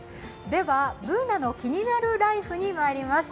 「ＢｏｏｎａのキニナルＬＩＦＥ」にまいります。